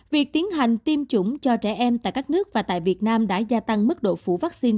việc tiến hành tiêm chủng cho trẻ em tại các nước và tại việt nam đã gia tăng mức độ phủ vaccine